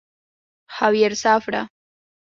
Javier Zafra